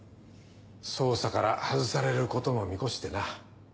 捜査から外されることも見越してな。